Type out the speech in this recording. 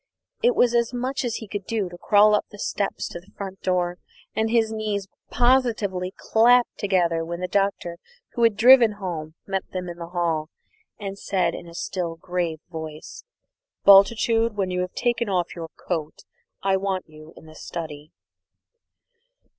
It was as much as he could do to crawl up the steps to the front door, and his knees positively clapped together when the Doctor, who had driven home, met them in the hall and said in a still grave voice, "Bultitude, when you have taken off your coat, I want you in the study."